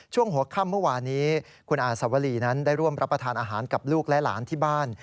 ช่วงหัวค่ำเมื่อวานนี้คุณอาสวรีนั้นได้ร่วมรับประทานอาหารกับลูกและหลานที่บ้าน